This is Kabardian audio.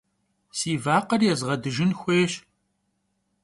Si vakher yêzğedıjjın xuêyş.